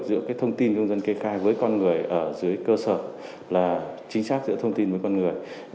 giữa cái thông tin công dân kê khai với con người ở dưới cơ sở là chính xác giữa thông tin với con người